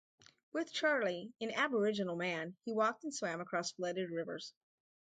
With Charlie, an Aboriginal man, he walked and swam across flooded rivers.